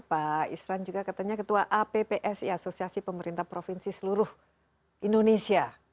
pak isran juga katanya ketua appsi asosiasi pemerintah provinsi seluruh indonesia